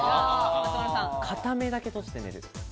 片目だけ閉じて寝る。